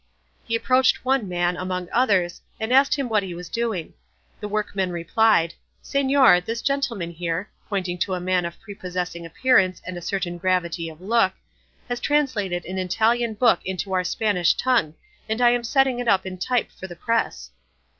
He approached one man, among others, and asked him what he was doing. The workman replied, "Señor, this gentleman here" (pointing to a man of prepossessing appearance and a certain gravity of look) "has translated an Italian book into our Spanish tongue, and I am setting it up in type for the press."